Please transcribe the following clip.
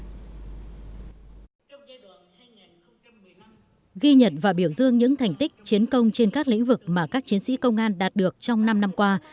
trong giai đoạn hành một mươi năm ghi nhận và biểu dương những thành tích chiến công trên các lĩnh vực mà các chiến sĩ công an đạt được trong năm năm qua